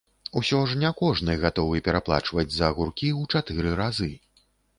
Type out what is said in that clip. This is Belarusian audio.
Усё ж не кожны гатовы пераплачваць за агуркі ў чатыры разы.